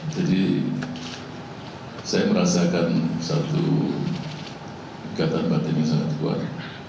jadi saya merasakan satu kegiatan batin yang sangat kuat